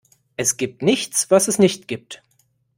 Es gibt nichts, was es nicht gibt.